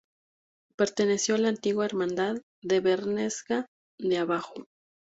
Perteneció a la antigua Hermandad de Bernesga de Abajo.